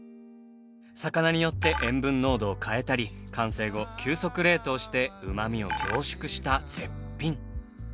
魚によって塩分濃度を変えたり完成後急速冷凍してうまみを凝縮した絶品。